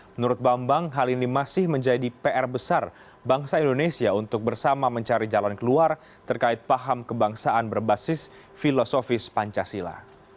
menurut bambang hal ini masih menjadi pr besar bangsa indonesia untuk bersama mencari jalan keluar terkait paham kebangsaan berbasis filosofis pancasila